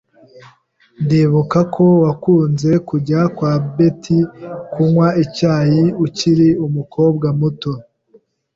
Ndibuka ko wakunze kujya kwa Betty kunywa icyayi ukiri umukobwa muto.